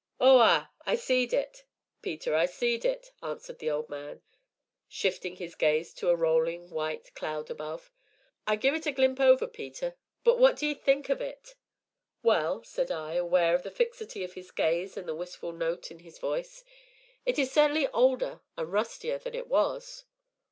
"Oh, ah! I seed it, Peter, I seed it," answered the old man, shifting his gaze to a rolling white cloud above. "I give it a glimp' over, Peter, but what do 'ee think of it?" "Well," said I, aware of the fixity of his gaze and the wistful note in his voice, "it is certainly older and rustier than it was."